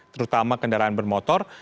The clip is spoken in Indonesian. terutama kendaraan bermotor